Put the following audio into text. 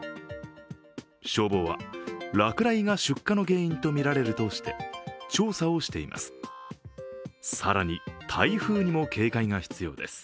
消防は落雷が出火の原因とみられるとして調査をしています。